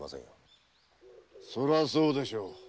そりゃそうでしょ。